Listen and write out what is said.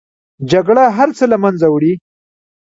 جګړه هر څه له منځه وړي